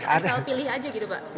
asal pilih aja gitu pak